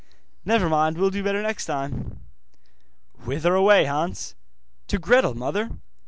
'Never mind, will do better next time.' 'Whither away, Hans?' 'To Gretel, mother.